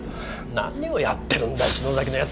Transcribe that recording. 何をやってるんだ篠崎の奴は！